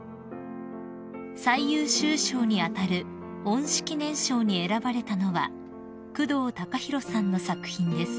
［最優秀賞に当たる恩賜記念賞に選ばれたのは工藤貴博さんの作品です］